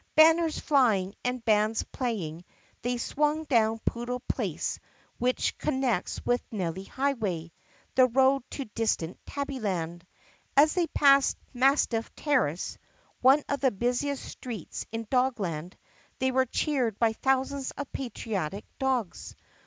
Banners flying and bands play ing, they swung down Poodle Place which con nects with Nellie Highway, the road to distant Tabbyland. As they passed Mastiff Terrace, one of the busiest streets in Dogland, they were cheered by thousands of patriotic dogs.